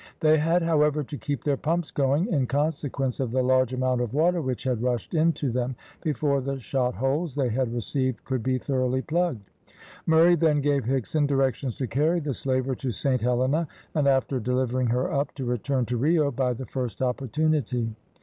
They had, however, to keep their pumps going, in consequence of the large amount of water which had rushed into them before the shot holes they had received could be thoroughly plugged. Murray then gave Higson directions to carry the slaver to Saint Helena, and, after delivering her up, to return to Rio by the first opportunity.